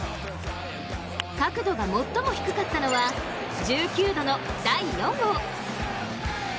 角度が最も低かったのは１９度の第４号。